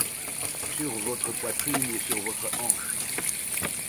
Sur votre poitrine et sur votre hanche